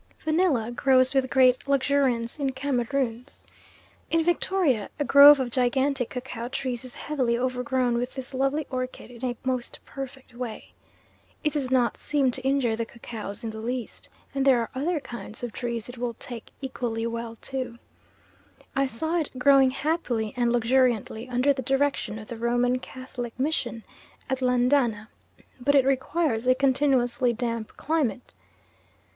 Vanilla grows with great luxuriance in Cameroons. In Victoria a grove of gigantic cacao trees is heavily overgrown with this lovely orchid in a most perfect way. It does not seem to injure the cacaos in the least, and there are other kinds of trees it will take equally well to. I saw it growing happily and luxuriantly under the direction of the Roman Catholic Mission at Landana; but it requires a continuously damp climate.